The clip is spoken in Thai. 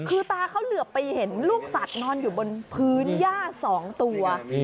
คือตาเขาเหลือไปเห็นลูกสัตว์นอนอยู่บนพื้นย่า๒ตัว